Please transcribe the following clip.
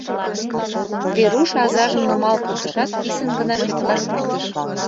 Веруш азажым нумал пуртышат, писын гына шепкаш пыштыш.